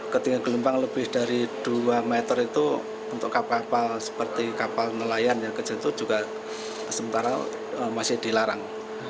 ketinggian gelombang lebih dari dua meter itu untuk kapal kapal seperti kapal nelayan yang kecil itu juga sementara masih dilarang